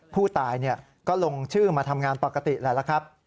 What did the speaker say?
ผู้ตายก็ลงชื่อมาทำงานปกติแหละแล้วครับ